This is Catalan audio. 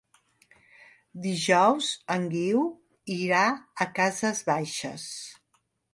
Dijous en Guiu irà a Cases Baixes.